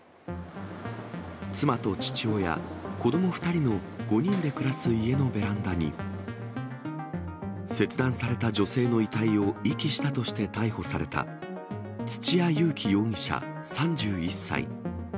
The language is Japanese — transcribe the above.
妻と父親、子ども２人の５人で暮らす家のベランダに、切断された女性の遺体を遺棄したとして逮捕された、土屋勇貴容疑者３１歳。